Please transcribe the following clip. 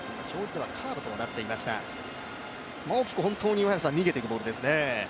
大きく逃げていくボールですね。